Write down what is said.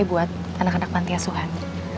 buat anak anak manti asuhan